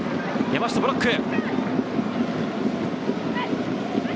山下、ブロック。